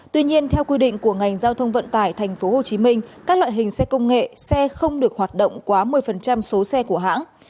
tuy nhiên theo quy định của ngành giao thông vận tải tp hcm các loại hình xe công nghệ xe không được hoạt động quá một mươi số xe của hãng